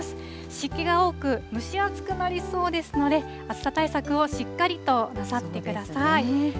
湿気が多く蒸し暑くなりそうですので、暑さ対策をしっかりとなさってください。